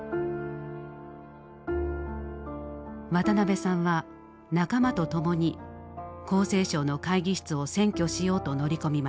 渡辺さんは仲間と共に厚生省の会議室を占拠しようと乗り込みました。